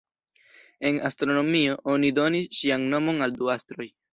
En astronomio, oni donis ŝian nomon al du astroj.